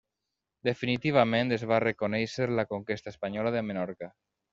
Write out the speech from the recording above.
Definitivament es va reconèixer la conquesta espanyola de Menorca.